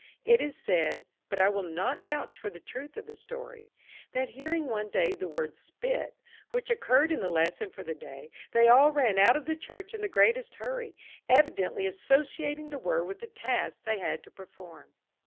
It is said, but I will not vouch for the truth of the story, that hearing one day the word "spit," which occurred in the lesson for the day, they all ran out of the church in the greatest hurry, evidently associating the word with the task they had to perform.